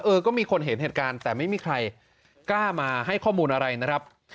เออก็มีคนเห็นเหตุการณ์แต่ไม่มีใครกล้ามาให้ข้อมูลอะไรนะครับ